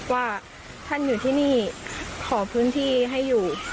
ว่าท่านอยู่ที่นี่ขอพื้นที่ให้อยู่